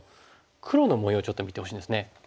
黒の模様をちょっと見てほしいんですね。